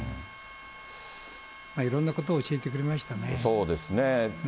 いろんなことを教えてくれましたそうですね。